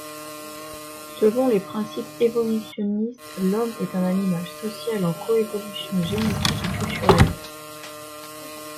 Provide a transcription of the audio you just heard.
Selon les principes évolutionnistes, l'homme est un animal social en coévolution génétique et culturelle.